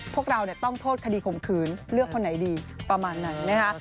พวกเราต้องโทษคดีข่มขืนเลือกคนไหนดีประมาณไหนนะคะ